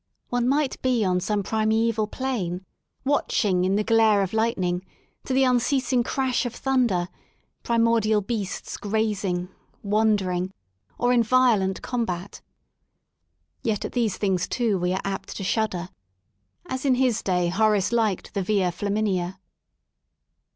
One might be on some primeval plain, watching, in the glare of lightning, to the unceasing crash of thunder, primordial beasts grazing, wandering, or in violent combat. Yet at these things, too, we are apt to shudder, as in his day Horace disliked the Via Flaminia.